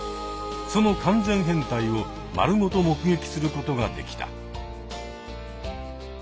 その完全変態を丸ごと目撃することができた。